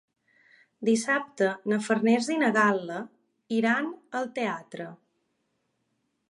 Dissabte na Farners i na Gal·la iran al teatre.